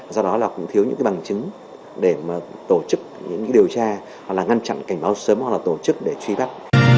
do đó là cũng thiếu những bằng chứng để mà tổ chức những điều tra hoặc là ngăn chặn cảnh báo sớm hoặc là tổ chức để truy bắt